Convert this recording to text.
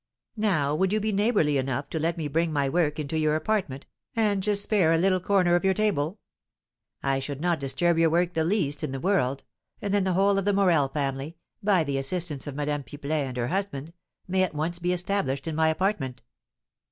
Now would you be neighbourly enough to let me bring my work into your apartment, and just spare a little corner of your table? I should not disturb your work the least in the world, and then the whole of the Morel family, by the assistance of Madame Pipelet and her husband, may be at once established in my apartment."